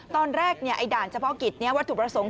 ตอนแรกเนี่ยอันด่านเฉพาะกิจเนี่ยว่าถูกประสงค์